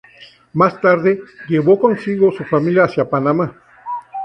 Más tarde, llevó consigo su familia hacia Panamá.